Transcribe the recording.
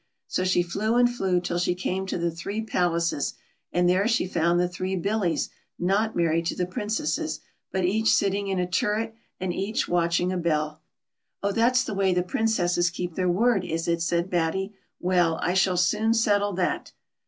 So she flew and flew till she came to the three palaces, and there she found the three Billies, not married to the Princesses, but each sitting in a turret and each watching a bell. "Oh, that's the way the Princesses keep their word, is it !" said Batty ;" well, I shall soon settle that."